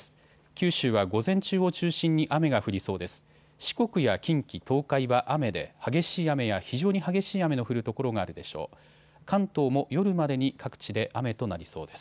九州は午前中を中心に雨が降りそうです。